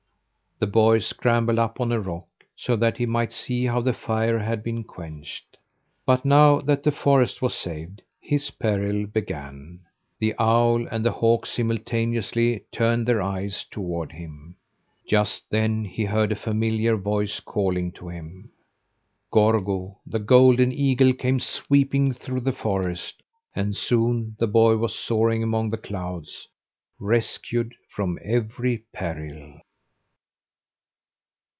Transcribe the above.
The boy scrambled up on a rock, so that he might see how the fire had been quenched. But now that the forest was saved, his peril began. The owl and the hawk simultaneously turned their eyes toward him. Just then he heard a familiar voice calling to him. Gorgo, the golden eagle, came sweeping through the forest, and soon the boy was soaring among the clouds rescued from every peril.